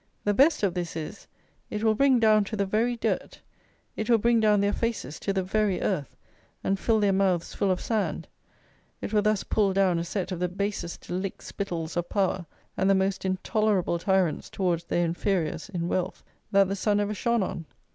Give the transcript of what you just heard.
The best of this is, it will bring down to the very dirt; it will bring down their faces to the very earth, and fill their mouths full of sand; it will thus pull down a set of the basest lick spittles of power and the most intolerable tyrants towards their inferiors in wealth that the sun ever shone on.